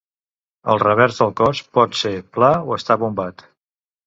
El revers del cos pot ser pla o estar bombat.